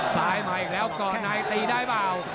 ซ้ายมาอีกแล้วเกาะในตีได้เปล่า